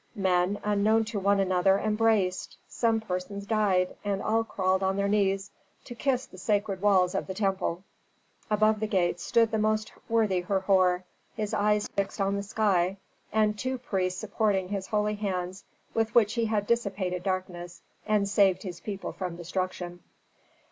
Men unknown to one another embraced, some persons died, and all crawled on their knees to kiss the sacred walls of the temple. Above the gate stood the most worthy Herhor, his eyes fixed on the sky, and two priests supporting his holy hands with which he had dissipated darkness, and saved his people from destruction.